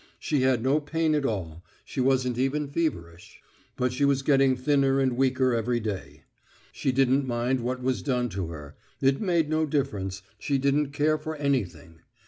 She had no pain at all, she wasn't even feverish. But she was getting thinner and weaker every day. She didn't mind what was done to her; it made no difference, she didn't care for anything.